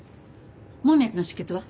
門脈の出血は？